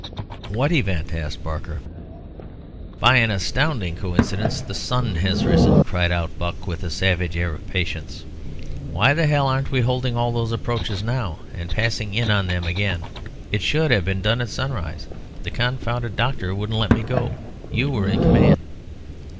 "What event?" asked Barker. "By an astounding coincidence, the sun has risen," cried out Buck, with a savage air of patience. "Why the hell aren't we holding all those approaches now, and passing in on them again? It should have been done at sunrise. The confounded doctor wouldn't let me go out. You were in command."